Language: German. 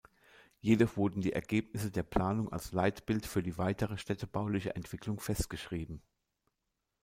Jedoch wurden die Ergebnisse der Planung als Leitbild für die weitere städtebauliche Entwicklung festgeschrieben.